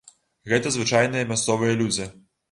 Гэта звычайныя мясцовыя людзі.